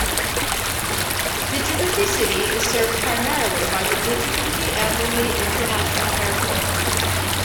Djibouti City is served primarily by the Djibouti-Ambouli International Airport.